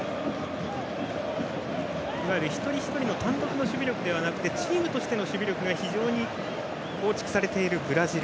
いわゆる一人一人の単独の守備力ではなくてチームとしての守備力が非常に構築されているブラジル。